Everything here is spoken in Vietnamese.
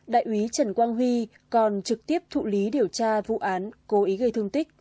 đại úy trần quang huy còn trực tiếp thụ lý điều tra vụ án cố ý gây thương tích